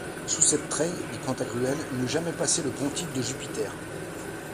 Sous cette treille, dit Pantagruel, n'eût jamais passé le pontife de Jupiter.